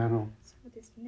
そうですね。